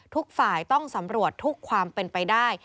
ทุกฝ่ายต้องสำรวจทุกความเป็นไปได้